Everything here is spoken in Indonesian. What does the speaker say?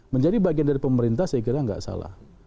menjadi bagian dari pemerintah saya kira nggak salah